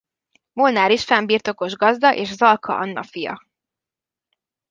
Molnár István birtokos gazda és Zalka Anna fia.